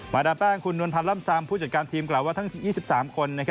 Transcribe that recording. ดาแป้งคุณนวลพันธ์ล่ำซามผู้จัดการทีมกล่าวว่าทั้ง๒๓คน